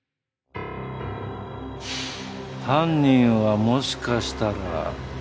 犯人はもしかしたら。